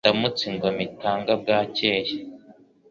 Indamutsa Ingoma itanga bwakeye